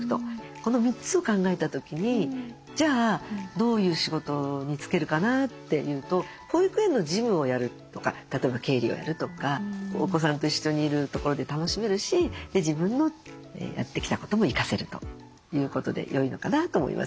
この３つを考えた時にじゃあどういう仕事に就けるかなっていうと保育園の事務をやるとか例えば経理をやるとかお子さんと一緒にいるところで楽しめるし自分のやってきたことも生かせるということでよいのかなと思いますね。